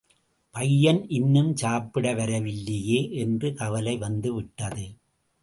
பையன் இன்னும் சாப்பிட வரவில்லையே? என்ற கவலை வந்து விட்டது.